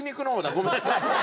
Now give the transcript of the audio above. ごめんなさい。